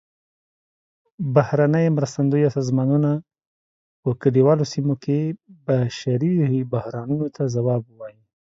بهرنۍ مرستندویه سازمانونه په کلیوالو سیمو کې بشري بحرانونو ته ځواب ووايي.